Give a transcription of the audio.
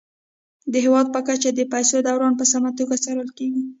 د هیواد په کچه د پيسو دوران په سمه توګه څارل کیږي.